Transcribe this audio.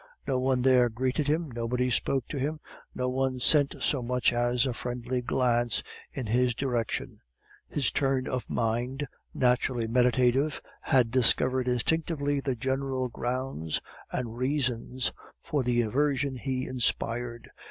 No one there greeted him, nobody spoke to him, no one sent so much as a friendly glance in his direction. His turn of mind, naturally meditative, had discovered instinctively the general grounds and reasons for the aversion he inspired.